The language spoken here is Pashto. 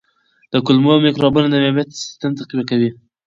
د کولمو مایکروبونه د معافیت سیستم تقویه کوي.